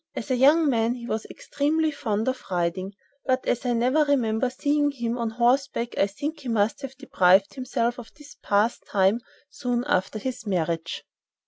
As a young man he was extremely fond of riding, but as I never remember seeing him on horseback I think he must have deprived himself of this pastime soon after his marriage.